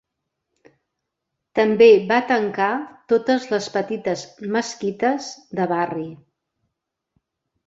També va tancar totes les petites mesquites de barri.